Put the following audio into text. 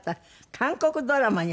韓国ドラマに。